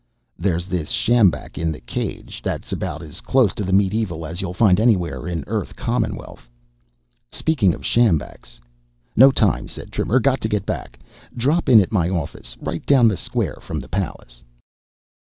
"There's this sjambak in the cage. That's about as close to the medieval as you'll find anywhere in Earth Commonwealth." "Speaking of sjambaks ..." "No time," said Trimmer. "Got to get back. Drop in at my office right down the square from the palace."